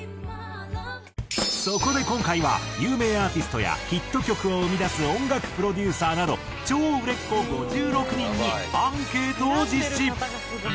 そこで今回は有名アーティストやヒット曲を生み出す音楽プロデューサーなど超売れっ子５６人にアンケートを実施。